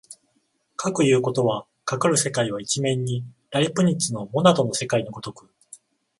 かくいうことは、かかる世界は一面にライプニッツのモナドの世界の如く